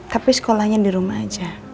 tapi sekolahnya di rumah aja